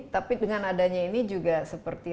tapi dengan adanya ini juga seperti